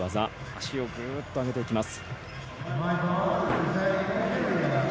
足をグッと上げていきます。